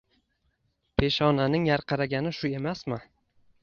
Peshonaning yarqiragani shu emasmi?!